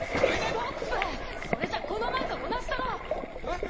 ポップそれじゃこの前と同じだろ！えっ？